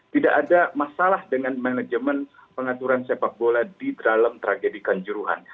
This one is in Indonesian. tidak ada masalah dengan manajemen pengaturan sepak bola di dalam tragedi kanjuruhan